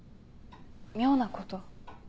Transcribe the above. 妙なこと？